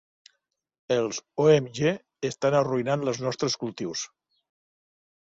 Els OMG estan arruïnant els nostres cultius.